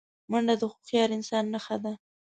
منډه د هوښیار انسان نښه ده